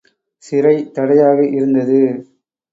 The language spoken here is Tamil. சிறை தடையாக இருந்தது.